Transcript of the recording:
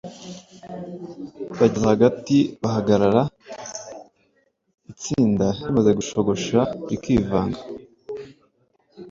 Bageza hagati bagahagarara, itsinda rimaze gushogosha rikivanga